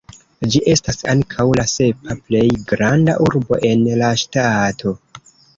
Ĝi estas ankaŭ la sepa plej granda urbo en la ŝtato.